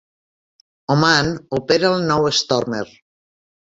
Oman opera el nou Stormer.